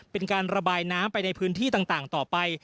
เป็นการระบายน้ำไปในพื้นที่ต่างต่อไป